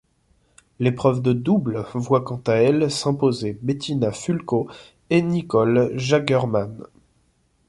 L'épreuve de double voit quant à elle s'imposer Bettina Fulco et Nicole Jagerman.